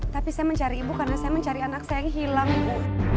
tapi saya mencari ibu karena saya mencari anak saya yang hilang ibu